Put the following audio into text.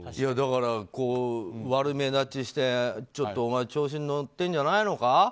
だから悪目立ちしてちょっとお前調子に乗ってんじゃないのか？